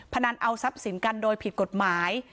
พนันเอาทรัพย์สินกันโดยผิดกฎหมาย